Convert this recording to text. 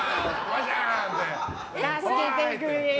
助けてくれー！